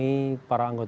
jadi kita menemukan